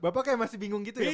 bapak kayak masih bingung gitu ya